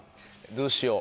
どうしよう。